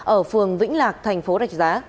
ở phường vĩnh lạc thành phố rạch giá